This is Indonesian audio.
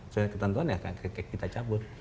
sudah tentu saja kita cabut